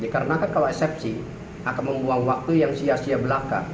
karena kalau eksepsi akan membuang waktu yang sia sia belaka